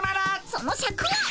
そのシャクを。